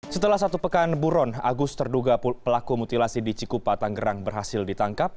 setelah satu pekan buron agus terduga pelaku mutilasi di cikupa tanggerang berhasil ditangkap